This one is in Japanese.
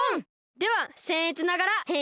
ではせんえつながらへんしんいくぞ！